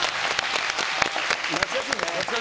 懐かしいね。